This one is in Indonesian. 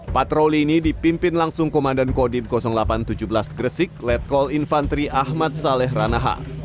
patroli ini dipimpin langsung komandan kodim delapan ratus tujuh belas gresik letkol infantri ahmad saleh ranaha